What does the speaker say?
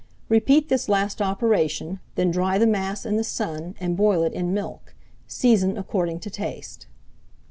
Repeat this last operation, then dry the mass in the sun and boil it in milk. Season according to taste."